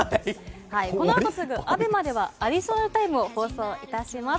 このあとすぐＡＢＥＭＡではアディショナルタイムを放送致します。